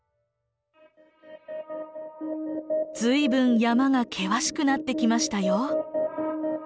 随分山が険しくなってきましたよ。